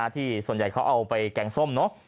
ที่ส่วนใหญ่เขาเอาไปแกงส้มเนอะ